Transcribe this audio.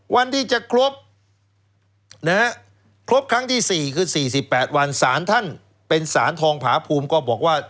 วันที่จะครบครบครั้งที่๔คือ๔๘วันสารท่านเป็นสารทองผาภูมิก็บอกว่า